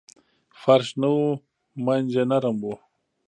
فرش نه و مینځ یې نرم و.